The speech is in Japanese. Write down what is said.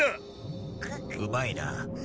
うまいな。